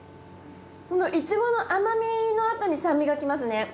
このイチゴの甘みのあとに酸味がきますね。